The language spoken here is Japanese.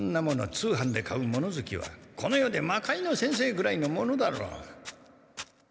通販で買う物ずきはこの世で魔界之先生ぐらいのものだろう。